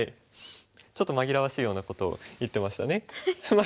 ちょっと紛らわしいようなことを言ってましたね。